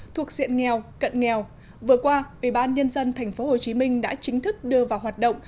thuộc diện nghèo cận nghèo vừa qua ủy ban nhân dân tp hcm đã chính thức đưa vào hoạt động